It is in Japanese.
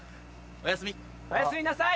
おやすみなさい。